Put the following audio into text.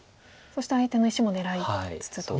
そして相手の石も狙いつつと。